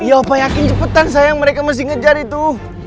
iya opa yakin cepetan sayang mereka masih ngejar itu